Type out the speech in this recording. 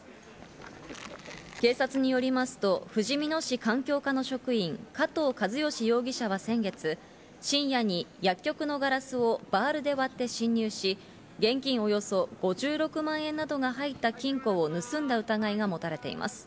警察によりますとふじみ野市環境課の職員、加藤和儀容疑者は先月、深夜に薬局のガラスをバールで割って侵入し、現金およそ５６万円などが入った金庫を盗んだ疑いが持たれています。